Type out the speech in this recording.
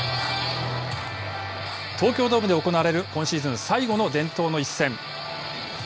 東京ドームで行われる今シーズン最後の伝統の一戦。